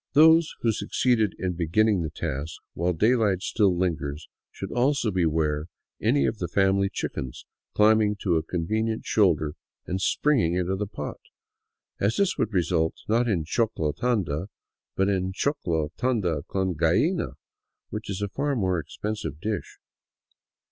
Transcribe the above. Those who succeed in beginning the task while daylight still lingers should also beware any of the family chickens climbing to a convenient shoulder and springing into the pot, as this would result, not in choclo tanda, but in choclo tanda con gallina, which is a far more expensive dish.